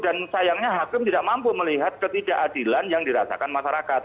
dan sayangnya hakim tidak mampu melihat ketidakadilan yang dirasakan masyarakat